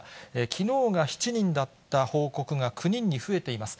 きのうが７人だった報告が９人に増えています。